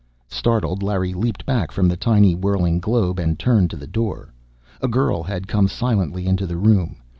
Startled, Larry leaped back from the tiny, whirling globe and turned to the door. A girl had come silently into the room.